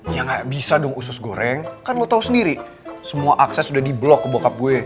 ya nggak bisa dong usus goreng kan lo tau sendiri semua akses udah di blok ke bokap gue